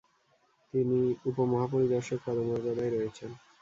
তিনি উপ মহাপরিদর্শক পদমর্যাদায় রয়েছেন।